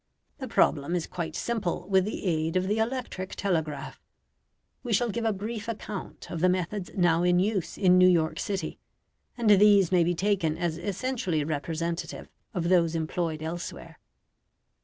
The problem is quite simple with the aid of the electric telegraph. We shall give a brief account of the methods now in use in New York City, and these may be taken as essentially representative of those employed elsewhere.